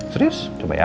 serius coba ya